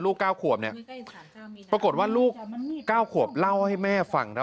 ๙ขวบเนี่ยปรากฏว่าลูก๙ขวบเล่าให้แม่ฟังครับ